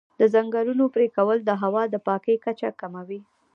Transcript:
د ځنګلونو پرېکول د هوا د پاکوالي کچه کموي.